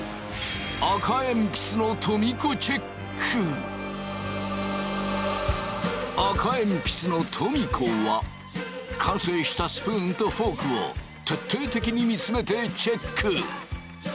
それは赤鉛筆のトミ子は完成したスプーンとフォークを徹底的に見つめてチェック！